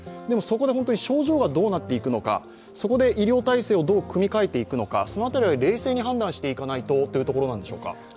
でも、そこで症状がどうなっていくのか、そこで医療体制をどう組み替えていくのか、その辺りを冷静に判断していかないとというところでしょうか。